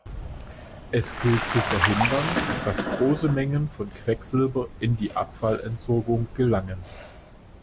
Es gilt zu verhindern, dass große Mengen von Quecksilber in die Abfallentsorgung gelangen.